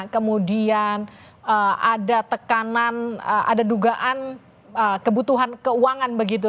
kemudian ada tekanan ada dugaan kebutuhan keuangan begitu